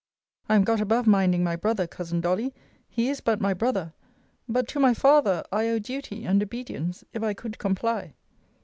I am got above minding my brother, cousin Dolly: he is but my brother. But to my father I owe duty and obedience, if I could comply.